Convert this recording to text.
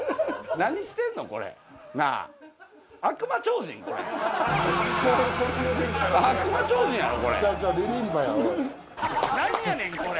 なんやねんこれ！